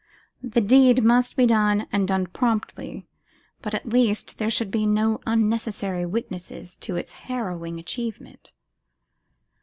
The deed must be done, and done promptly; but, at least, there should be no unnecessary witnesses to its harrowing achievement.